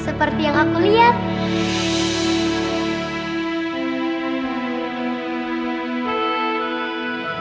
sebenarnya aku meski tak liat